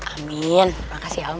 amin makasih ya om